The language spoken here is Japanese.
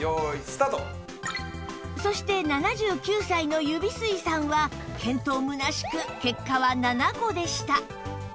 そして７９歳の指吸さんは健闘空しく結果は７個でした